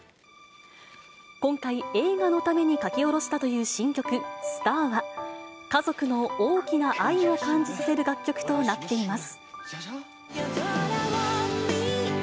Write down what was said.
今回、映画のために書き下ろしたという新曲、ＳＴＡＲは、家族の大きな愛を感じさせる楽曲となっています。